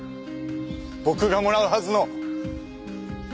僕がもらうはずの。